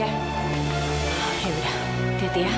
yaudah hati hati ya